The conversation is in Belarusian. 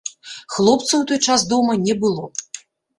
Хлопца ў той час дома не было.